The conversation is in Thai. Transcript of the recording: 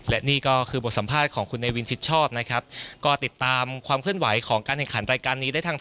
และนี่ก็คือบทสัมภาษณ์ของคุณเนวินชิดชอบนะครับก็ติดตามความเคลื่อนไหวของการแข่งขันรายการนี้ได้ทาง